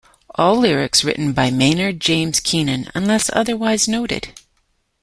All lyrics written by Maynard James Keenan, unless otherwise noted.